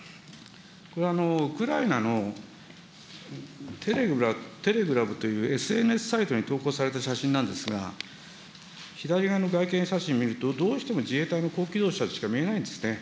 これ、ウクライナのテレグラムというＳＮＳサイトに投稿された写真なんですが、左側の外見写真見ると、どうしても自衛隊の高機動車にしか見えないんですね。